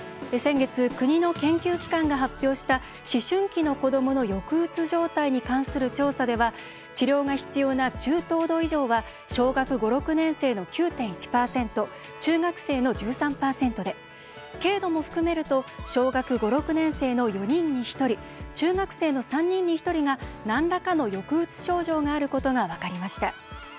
先月、国の研究機関が発表した思春期の子どもの抑うつ状態に関する調査では治療が必要な中等度以上は小学５６年生の９．１％中学生の１３％で軽度も含めると小学５６年生の４人に１人中学生の３人に１人がなんらかの抑うつ症状があることが分かりました。